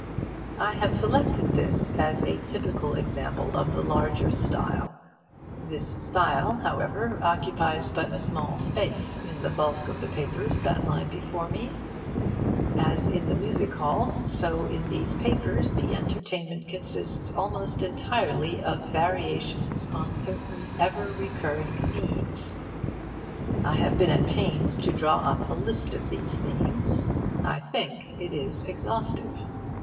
I have selected this as a typical example of the larger style. This style, however, occupies but a small space in the bulk of the papers that lie before me. As in the music halls, so in these papers, the entertainment consists almost entirely of variations on certain ever recurring themes. I have been at pains to draw up a list of these themes. I think it is exhaustive.